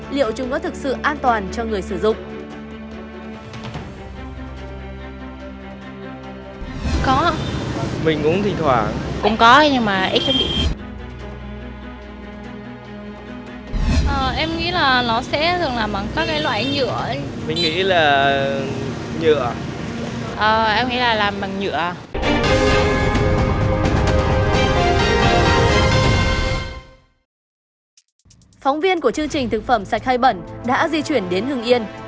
liệu chúng có thực sự an toàn cho người sử dụng